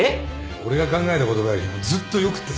俺が考えた言葉よりずっとよくってさ。